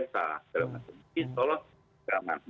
insya allah tidak ada